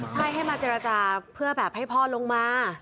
ใช่ให้มาเจรจาเพื่อแบบให้พ่อลงมา